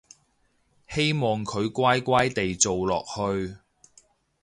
希望佢乖乖哋做落去